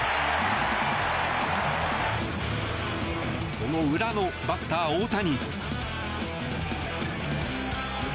その裏のバッター大谷。